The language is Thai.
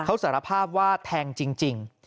เขาสารภาพว่าแทงจริง